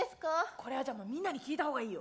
これはじゃあみんなに聞いた方がいいよ。